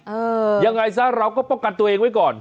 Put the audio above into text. เอออย่างไรซะเราก็ปกัดตัวเองไว้ก่อน